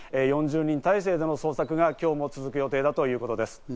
４０人態勢での捜索は今日も続く予定だということです。